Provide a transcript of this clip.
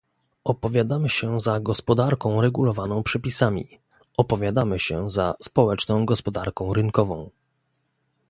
Opowiadamy się za gospodarką regulowaną przepisami, opowiadamy się za społeczną gospodarką rynkową